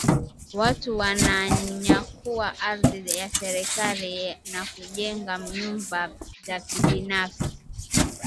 Watu wananyakua ardhi ya serikali na kujenga nyumba za kibinafsi